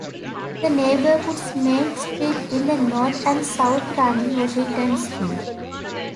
The neighborhood's main street is the north- and south-running Washington Street.